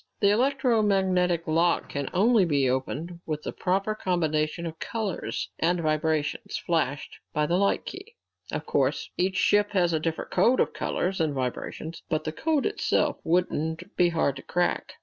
The electromagnetic lock can only be opened with the proper combinations of colors and vibrations flashed by the light key. Of course each ship has a different code of colors and vibrations, but the code itself wouldn't be hard to crack.